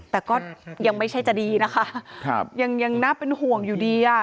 แต่ก็ยังไม่ใช่จะดีนะคะยังน่าเป็นห่วงอยู่ดีอ่ะ